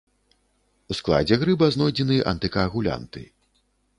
У складзе грыба знойдзены антыкаагулянты.